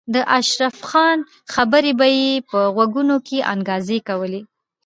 د اشرف خان خبرې به یې په غوږونو کې انګازې کولې